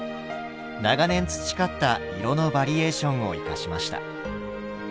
長年培った色のバリエーションを生かしました。